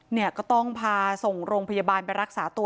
เนี่ยก็ต้องพาส่งโรงพยาบาลไปรักษาตัว